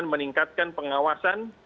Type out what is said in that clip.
untuk memperbaikkan pengawasan